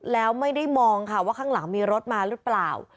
แล้วไม่ได้มองค่ะว่าข้างหลังมีรถมาหรือเปล่า